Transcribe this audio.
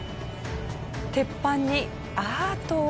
鉄板にアート。